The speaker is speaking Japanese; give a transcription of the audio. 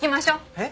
えっ？